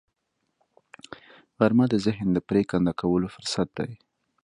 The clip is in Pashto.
غرمه د ذهن د پرېکنده کولو فرصت دی